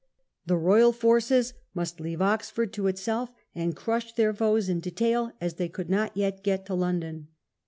The Royal forces must leave Oxford to itself, and crush their foes in detail, as they could not yet get to London..